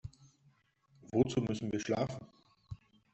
Wozu müssen wir schlafen?